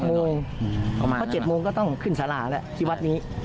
หลังตะวัน๗โมงก็ต้องขึ้นสาระแล้วที่วัดนี้